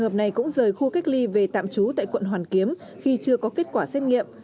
trường hợp này cũng rời khu cách ly về tạm trú tại quận hoàn kiếm khi chưa có kết quả xét nghiệm